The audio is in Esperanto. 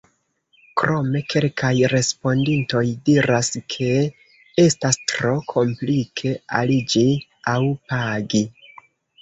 Krome kelkaj respondintoj diras, ke estas tro komplike aliĝi aŭ pagi.